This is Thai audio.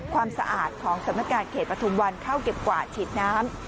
ความสะอาดของสำนักการเขตปฐุมวันเข้าเก็บกวาดฉีดน้ำ